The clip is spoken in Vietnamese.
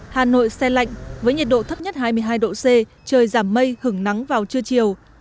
hà nội xe lạnh với nhiệt độ thấp nhất hai mươi hai độ c trời giảm mây hứng nắng vào trưa chiều